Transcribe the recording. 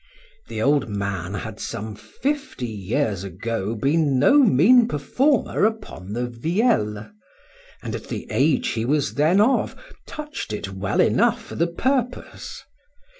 The old man had some fifty years ago been no mean performer upon the vielle,—and at the age he was then of, touch'd it well enough for the purpose.